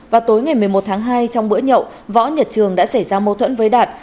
vào tối ngày một mươi một tháng hai trong bữa nhậu võ nhật trường đã xảy ra mâu thuẫn với đạt